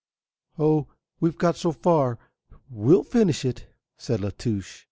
"Oh, we've got so far we'll finish it," said La Touche.